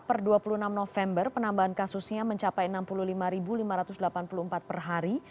per dua puluh enam november penambahan kasusnya mencapai enam puluh lima lima ratus delapan puluh empat per hari